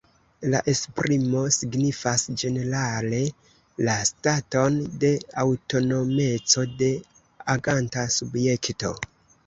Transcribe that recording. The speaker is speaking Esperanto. La esprimo signifas ĝenerale la staton de aŭtonomeco de aganta subjekto.